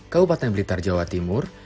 kabupaten blitar jawa timur